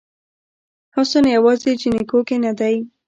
حسن یوازې جینکو کې نه دی